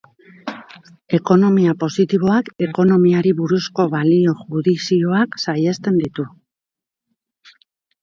Ekonomia positiboak ekonomiari buruzko balio-judizioak saihesten ditu.